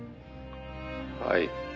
「はい」